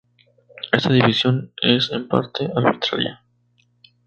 Esta división es en parte arbitraria.